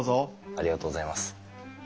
ありがとうございます。